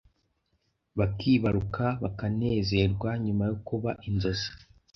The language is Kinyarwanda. bakibaruka bakanezerwa nyuma yo kuba inzozi,